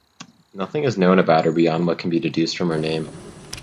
Nothing is known about her beyond what can be deduced from her name.